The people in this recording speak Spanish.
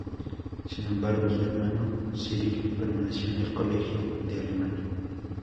Sin embargo, su hermano Cyril permaneció en el colegio de Alemania.